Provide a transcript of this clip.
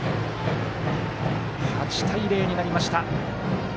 ８対０になりました。